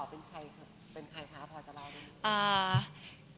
พอจะรับรู้